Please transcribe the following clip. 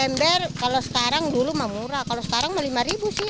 ember kalau sekarang dulu mah murah kalau sekarang mau lima ribu sih